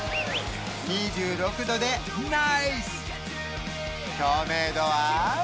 ２６度でナイス！